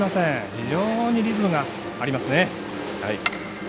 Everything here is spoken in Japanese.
非常にリズムがありますね。